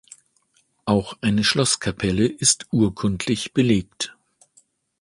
Auch eine Schlosskapelle ist urkundlich belegt.